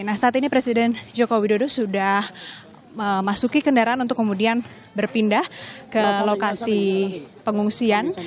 nah saat ini presiden joko widodo sudah memasuki kendaraan untuk kemudian berpindah ke lokasi pengungsian